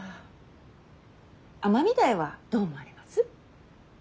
尼御台はどう思われます？